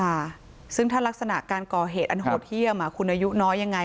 ค่ะซึ่งถ้ารักษณะการก่อเหตุอันโหดเยี่ยมอ่ะคุณอายุน้อยยังไง